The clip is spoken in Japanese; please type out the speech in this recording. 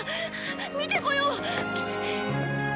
見てこよう！